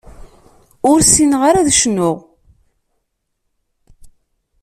Ur ssineɣ ara ad cnuɣ.